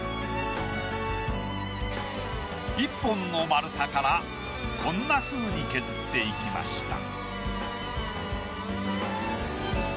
１本の丸太からこんなふうに削っていきました。